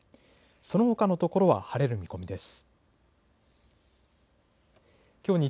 そのほかの所は晴れる見込みです。